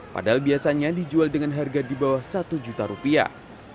padahal biasanya dijual dengan harga di bawah satu juta rupiah